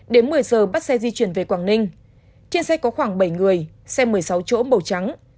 đến một mươi giờ bắt xe di chuyển về quảng ninh trên xe có khoảng bảy người xe một mươi sáu chỗ màu trắng